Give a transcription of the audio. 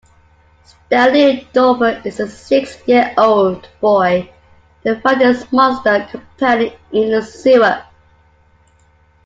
Stanley Dover is a six-year-old boy who finds his monster companion in a sewer.